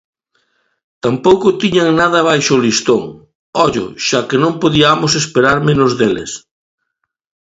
Tampouco tiñan nada baixo o listón, ollo, xa que non podiamos esperar menos deles.